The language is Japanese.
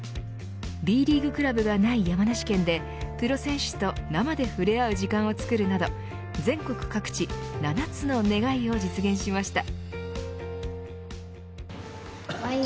Ｂリーグクラブがない山梨県でプロ選手と生で触れ合う時間を作るなど全国各地、７つの願いを実現しました。